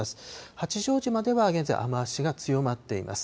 八丈島では現在、雨足が強まっています。